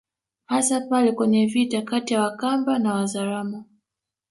Hasa pale kwenye vita kati ya Wakamba na Wazaramo